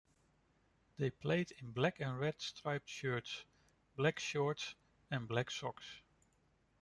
They played in black and red striped shirts, black shorts and black socks.